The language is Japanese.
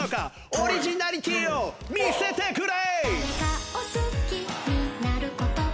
オリジナリティーを見せてくれ！